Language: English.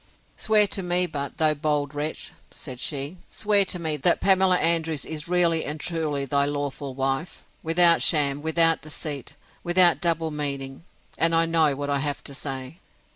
Swear to me but, thou bold wretch! said she, swear to me, that Pamela Andrews is really and truly thy lawful wife, without sham, without deceit, without double meaning; and I know what I have to say!